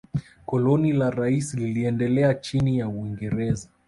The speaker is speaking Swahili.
Koloni la Rasi liliendelea chini ya Uingereza